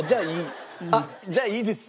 じゃあいいです。